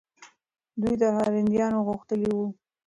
دوی تر هندیانو غښتلي وو.